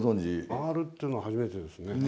回るっていうのは初めてですね。